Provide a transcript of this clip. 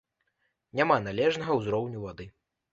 Няма належнага ўзроўню вады.